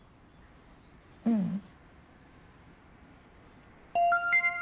ううん。